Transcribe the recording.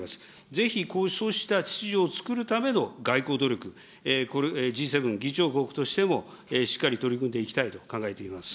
ぜひそうした秩序をつくるための外交努力、これ、Ｇ７議長国としても、しっかり取り組んでいきたいと考えています。